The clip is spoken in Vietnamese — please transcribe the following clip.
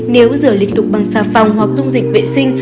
nếu rửa lịch tục bằng xà phòng hoặc dung dịch vệ sinh